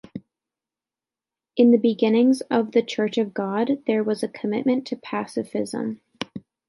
In the beginnings of the Church of God, there was a commitment to pacifism.